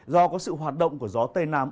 do có sự hoạt động của gió tây nam